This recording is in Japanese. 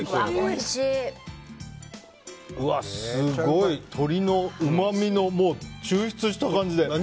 すごい、鶏のうまみの抽出した感じで。